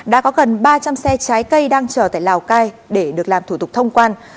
đã có gần ba trăm linh xe trái cây đang chờ tại lào cai để được làm thủ tục thông quan